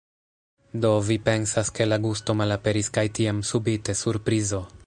Do, vi pensas, ke la gusto malaperis kaj tiam subite surprizo